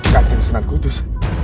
kanjeng sunan kudus